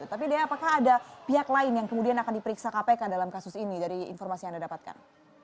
tapi dea apakah ada pihak lain yang kemudian akan diperiksa kpk dalam kasus ini dari informasi yang anda dapatkan